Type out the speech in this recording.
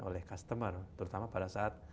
oleh customer terutama pada saat